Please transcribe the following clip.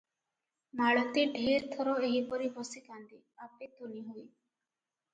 ମାଳତୀ ଢେର ଥର ଏହିପରି ବସି କାନ୍ଦେ, ଆପେ ତୁନି ହୁଏ ।